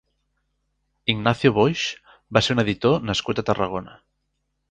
Ignacio Boix va ser un editor nascut a Tarragona.